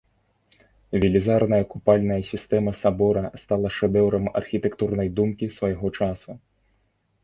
Велізарная купальная сістэма сабора стала шэдэўрам архітэктурнай думкі свайго часу.